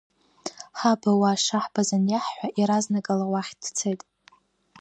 Ҳаб ауаа шаҳбаз аниаҳҳәа, иаразнакала уахь дцеит.